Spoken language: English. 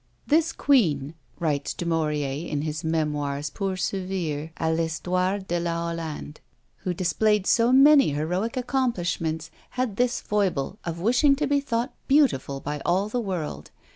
"This queen," writes Du Maurier, in his Memoires pour servir à l'Histoire de la Hollande, "who displayed so many heroic accomplishments, had this foible, of wishing to be thought beautiful by all the world.